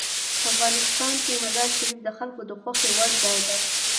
افغانستان کې مزارشریف د خلکو د خوښې وړ ځای دی.